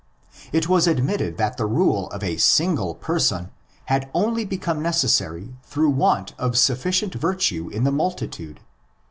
It was admitted that the rule of a single person had only become necessary through want of sufficient virtue in the multitude.